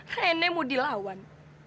rennya mau dilawan